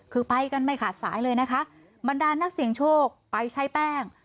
คือไปกันไม่ขาดสายเลยนะคะบรรดานนักเสียงโชคไปใช้แป้ง